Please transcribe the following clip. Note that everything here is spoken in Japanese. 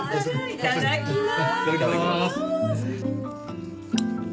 いただきまーす！